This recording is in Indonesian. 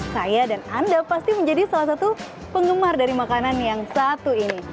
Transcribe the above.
saya dan anda pasti menjadi salah satu penggemar dari makanan yang satu ini